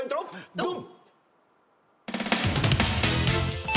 ドン！